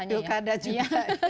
banyak dokada juga